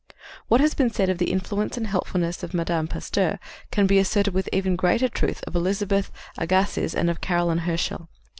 What has been said of the influence and helpfulness of Mme. Pasteur can be asserted with even greater truth of Elizabeth Agassiz and of Caroline Herschel.